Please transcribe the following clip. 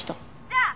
じゃあ」